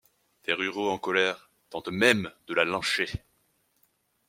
Des ruraux en colère tentent même de la lyncher.